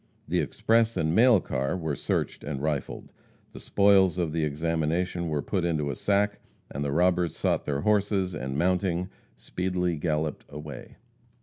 The express and mail car were searched and rifled. The spoils of the examination were put into a sack, and the robbers sought their horses, and mounting, speedily galloped away.